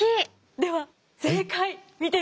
では正解見てみましょう。